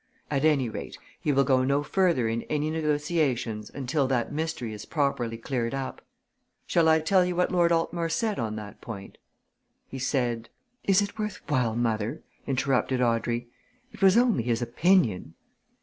At any rate, he will go no further in any negotiations until that mystery is properly cleared up. Shall I tell you what Lord Altmore said on that point? He said " "Is it worth while, mother?" interrupted Audrey. "It was only his opinion."